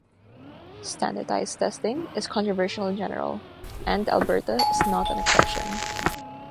Standardized testing is controversial in general, and Alberta is not an exception.